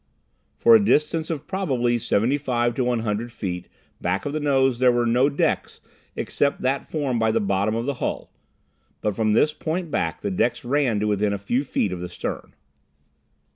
For a distance of probably 75 to 100 feet back of the nose there were no decks except that formed by the bottom of the hull. But from this point back the decks ran to within a few feet of the stern.